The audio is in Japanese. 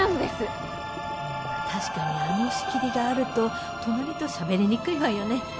確かにあの仕切りがあると隣としゃべりにくいわよね。